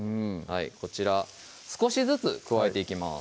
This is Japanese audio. こちら少しずつ加えていきます